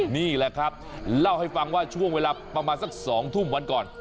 นี่แหละครับเล่าให้ฟังว่าช่วงเวลาประมาณสัก๒ทุ่มวันก่อน